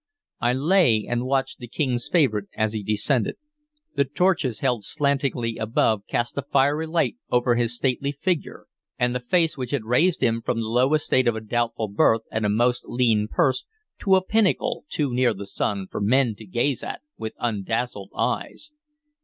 I lay and watched the King's favorite as he descended. The torches held slantingly above cast a fiery light over his stately figure and the face which had raised him from the low estate of a doubtful birth and a most lean purse to a pinnacle too near the sun for men to gaze at with undazzled eyes.